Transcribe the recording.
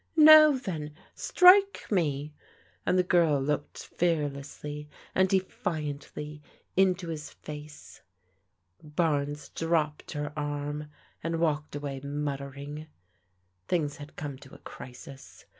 Now then, strike me," and the g^rl looked fearlessly and defiantly into his face. Barnes dropped her arm and walked away muttering. Things had come to a crisis.